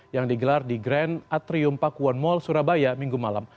yang digelar di grand atrium pakuwon mall surabaya minggu malam